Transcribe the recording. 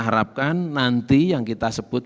harapkan nanti yang kita sebut